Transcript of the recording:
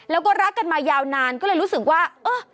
แล้วก็รักกันมายาวนานก็เลยรู้สึกว่าเออ